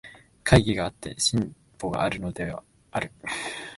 懐疑があって進歩があるのである。